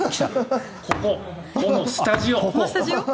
このスタジオ。